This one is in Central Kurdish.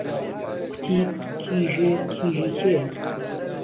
کوتی کیژێ کیژی کێیه